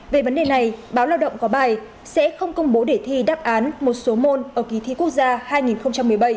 về vấn đề này báo lao động có bài sẽ không công bố để thi đáp án một số môn ở kỳ thi quốc gia hai nghìn một mươi bảy